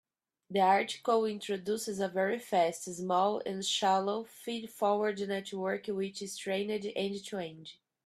The article introduces a very fast, small, and shallow feed-forward network which is trained end-to-end.